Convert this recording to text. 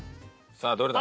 さぁどれだ？